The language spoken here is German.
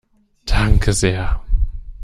Danke sehr!